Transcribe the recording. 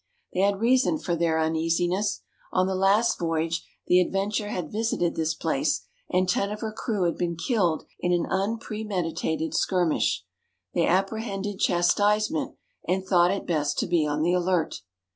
They had reason for their uneasiness. On the last voy age, the Adventure had visited this place, and ten of her crew had been killed in an unpremeditated skirmish. They apprehended chastisement, and thought it best to be on the alert.